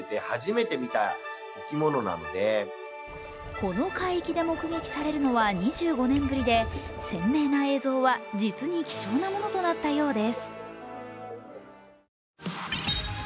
この海域で目撃されるのは２５年ぶりで鮮明な映像は実に貴重なものとなったようです。